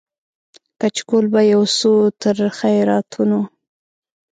کچکول به یوسو تر خیراتونو